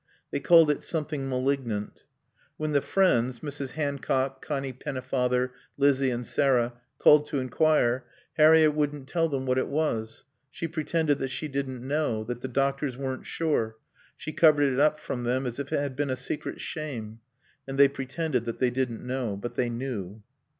They called it "something malignant." When the friends Mrs. Hancock, Connie Pennefather, Lizzie, and Sarah called to inquire, Harriett wouldn't tell them what it was; she pretended that she didn't know, that the doctors weren't sure; she covered it up from them as if it had been a secret shame. And they pretended that they didn't know. But they knew.